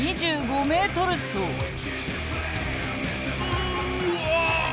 うわ！